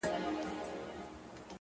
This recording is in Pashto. د حقیقت درناوی وجدان روښانوي’